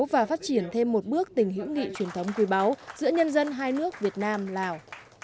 và phát triển thêm một bước tình hữu nghị truyền thống quý báu giữa nhân dân hai nước việt nam lào